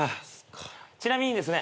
ちなみにですね